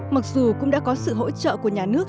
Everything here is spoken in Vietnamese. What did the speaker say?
mặc dù cũng đã có sự hỗ trợ của nhà nước